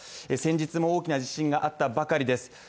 先日も大きな地震があったばかりです。